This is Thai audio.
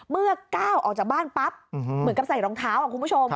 เมื่อก้าวออกจากบ้านปั๊บเหมือนกับใส่รองเท้าคุณผู้ชม